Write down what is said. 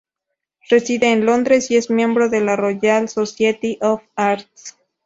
Reside en Londres y es miembro de la Royal Society of Arts.